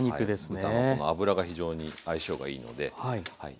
豚の脂が非常に相性がいいのではい。